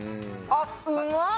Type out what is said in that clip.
あっうまっ！